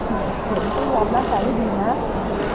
ใครก็ต้องมารีบโตดอีกประวัตร